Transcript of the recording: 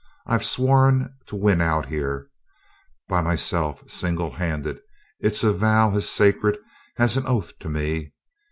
I've sworn to win out here, by myself, single handed; it's a vow as sacred as an oath to me!